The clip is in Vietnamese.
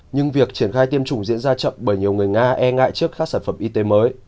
nhưng việc triển khai tiêm chủng diễn ra chậm bởi nhiều người nga e ngại trước các sản phẩm y tế mới